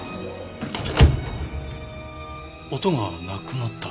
音がなくなった。